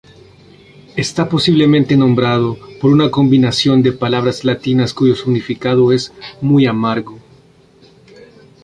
Está posiblemente nombrado por una combinación de palabras latinas cuyo significado es "muy amargo".